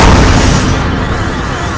bagaimana mereka harus membunuhmu apa apa